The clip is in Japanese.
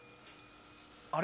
あれ？